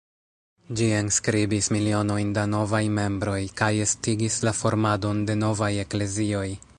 Ĝi enskribis milionojn da novaj membroj, kaj estigis la formadon de novaj eklezioj.